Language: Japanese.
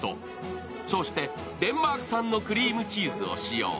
そして、デンマーク産のクリームチーズを使用。